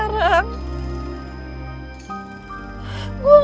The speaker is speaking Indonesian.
gua gak sampai ke luar kota